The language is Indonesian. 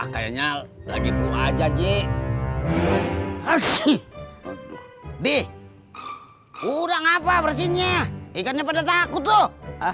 kayaknya lagi aja sih di udah ngapa bersihnya ikannya pada takut tuh